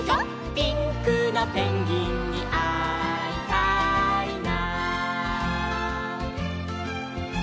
「ピンクのペンギンにあいたいな」